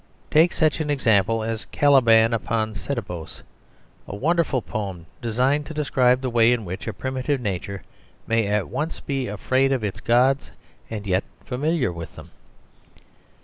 Take such an example as "Caliban upon Setebos," a wonderful poem designed to describe the way in which a primitive nature may at once be afraid of its gods and yet familiar with them.